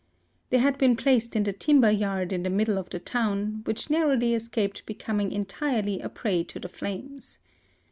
They had been placed in the timber yard in the middle of the town, which narrowly escaped becom ing entirely a prey to the flames.